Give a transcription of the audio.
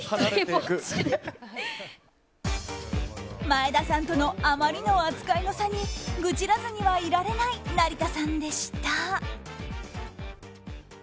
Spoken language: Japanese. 前田さんとのあまりの扱いの差に愚痴らずにはいられない成田さんでした。